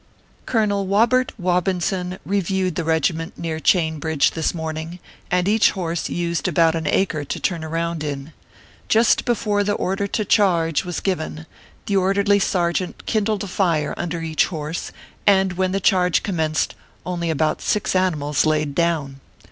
Colonel Wobert Wobinson reviewed the regiment near Chain Bridge this morning, and each horse used about an acre to turn around in. Just before the order to " charge" was given, the orderly sergeant kindled a fire under each horse, and when the charge commenced, only about six of the animals laid down.